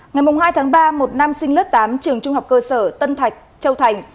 ngày hai tháng ba một nam sinh lớp tám trường trung học cơ sở tân thạch châu thành